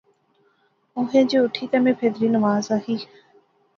اُوخیاں جے اٹھی تہ میں پھیدری نماز آخی